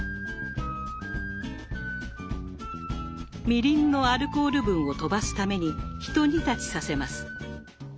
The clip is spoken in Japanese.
みりんのアルコール分を飛ばすためにひと煮立ちさせます。